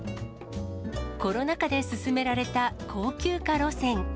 コロナ禍で進められた高級化路線。